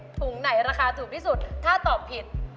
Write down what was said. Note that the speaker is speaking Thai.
ถุงไหนราคาถูกที่สุดถ้าตอบผิด